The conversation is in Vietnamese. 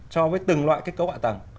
cho với từng loại cấu hạ tầng